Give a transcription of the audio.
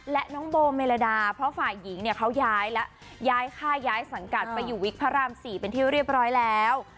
และนั่งเพราะฝ่ายจิ๊นะเขาย้ายแล้วย้ายค่าย้ายสังกัดไปอยู่วิคพระรามสี่เป็นที่เรียบร้อยแล้ว